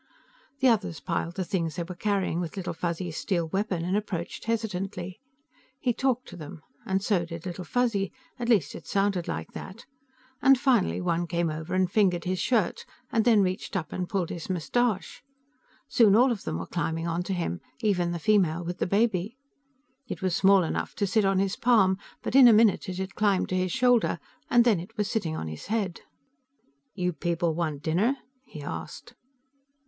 The others piled the things they were carrying with Little Fuzzy's steel weapon and approached hesitantly. He talked to them, and so did Little Fuzzy at least it sounded like that and finally one came over and fingered his shirt, and then reached up and pulled his mustache. Soon all of them were climbing onto him, even the female with the baby. It was small enough to sit on his palm, but in a minute it had climbed to his shoulder, and then it was sitting on his head. "You people want dinner?" he asked.